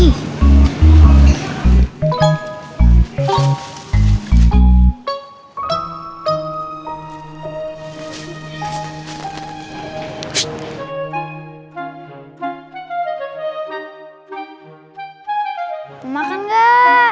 mau makan gak